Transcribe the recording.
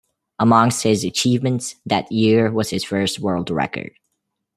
Amongst his achievements that year was his first world record.